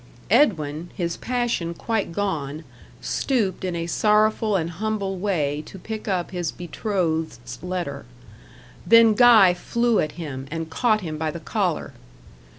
Edwin, his passion quite gone, stooped in a sorrowful and humble way to pick up his betrothed's letter. Then Guy flew at him, and caught him by the collar.